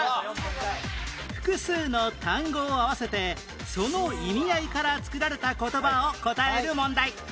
複数の単語を合わせてその意味合いから作られた言葉を答える問題